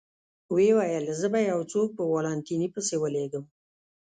ویې ویل: زه به یو څوک په والنتیني پسې ولېږم.